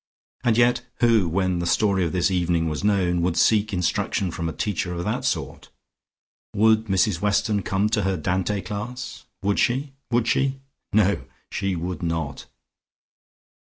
And yet who, when the story of this evening was known, would seek instruction from a teacher of that sort? Would Mrs Weston come to her Dante class? Would she? Would she? No, she would not.